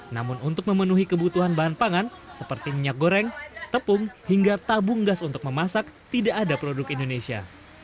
namun untuk memenuhi kebutuhan bahan pangan seperti minyak goreng tepung hingga tabung gas untuk memasak tidak ada produk indonesia